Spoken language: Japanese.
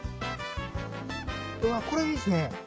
うわこれいいっすね。